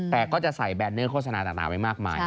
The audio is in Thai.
แต่ก็จะใส่แรนเนอร์โฆษณาต่างไว้มากมาย